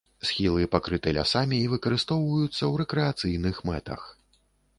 Схілы пакрыты лясамі і выкарыстоўваюцца ў рэкрэацыйных мэтах.